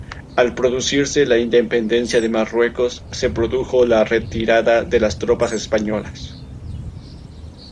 Al producirse la Independencia de Marruecos, se produjo la retirada de las tropas españolas.